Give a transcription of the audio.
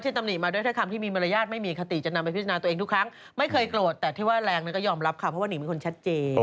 ฉันสาบานได้ค่ะไปสาบาน